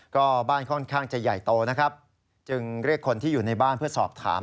ก็บ้านค่อนข้างจะใหญ่โตนะครับจึงเรียกคนที่อยู่ในบ้านเพื่อสอบถาม